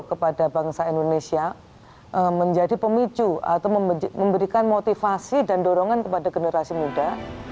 kepada bangsa indonesia menjadi pemicu atau memberikan motivasi dan dorongan kepada generasi muda